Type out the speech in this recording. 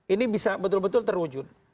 ini bisa betul betul terwujud